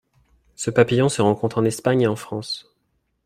Ce papillon se rencontre en Espagne et en France.